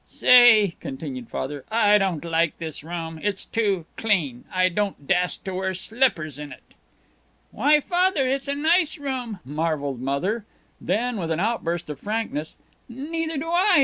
"Say," continued Father, "I don't like this room. It's too clean. I don't dast to wear slippers in it." "Why, Father, it's a nice room!" marveled Mother. Then, with an outburst of frankness: "Neither do I!